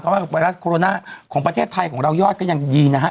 เพราะว่าไวรัสโคโรนาของประเทศไทยของเรายอดก็ยังดีนะฮะ